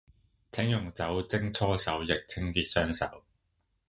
請用酒精搓手液清潔雙手